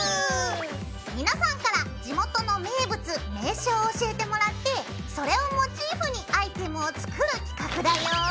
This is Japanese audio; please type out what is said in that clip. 皆さんから地元の名物名所を教えてもらってそれをモチーフにアイテムを作る企画だよ。